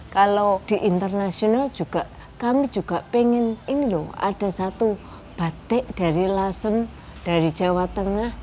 kalau di internasional juga kami juga pengen ini loh ada satu batik dari lasem dari jawa tengah